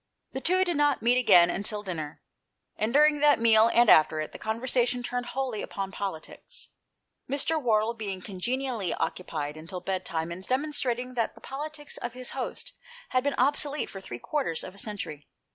The two did not meet again until dinner ; and during that meal, and after it, the conversation turned wholly upon politics, Mr. Wardle being congenially occupied until bed time in demonstrating that the politics of his host had been obsolete for three quarters of a century.